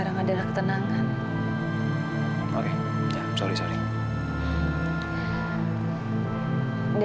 sampai jumpa di video selanjutnya